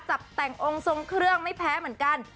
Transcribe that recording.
จับแต่งองค์ทรงเครื่องไม่แพ้เหมือนกัน